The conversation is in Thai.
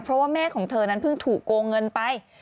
เพราะว่าแม่ของเธอนั้นเพิ่งถูกโกงเงินไป